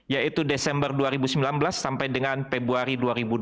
yaitu desember dua ribu sembilan belas sampai dengan februari dua ribu dua puluh